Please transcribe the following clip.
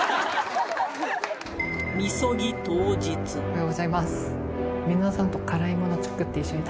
おはようございます。